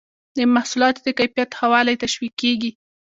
د محصولاتو د کیفیت ښه والی تشویقیږي.